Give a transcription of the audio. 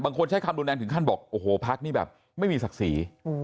บางคนใช้คำดูแนนถึงขั้นบอกโอ้โหภักดิ์นี่แบบไม่มีศักดิ์ศรี